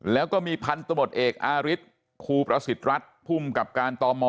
แล้วก็มีพันธมตเอกอาริสครูประสิทธิ์รัฐภูมิกับการตม